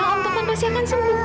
om taufan pasti akan sembuh